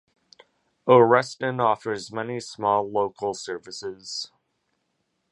Oreston offers many small, local services.